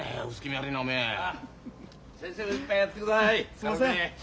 すんません。